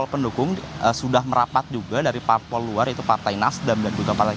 pendukung sudah merapat juga dari parpol luar yaitu partai nasdem dan juga partai